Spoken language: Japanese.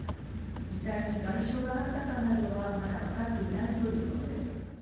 遺体に外傷があったかなどはまだ分かっていないということです。